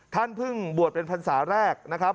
ท่านเพิ่งบวชเป็นพรรษาแรกนะครับ